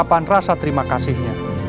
masih ada yang merasa terima kasihnya